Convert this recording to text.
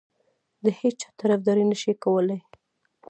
د هیچا طرفداري نه شي کولای.